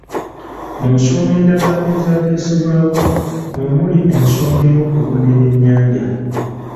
Mu nsonga endala ezaateesebbwako mwe muli ensonga ey'okulunda eby'enyanja.